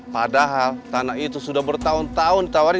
padahal tanah itu sudah bertahun tahun ditawari